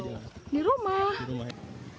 rumahnya dalamnya banjir bocor